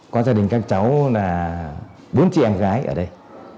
có gia đình các cháu là bốn chị em gái ở đây